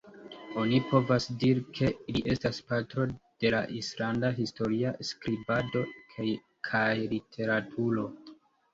Oni povas diri ke li estas patro de la islanda historia skribado kaj literaturo.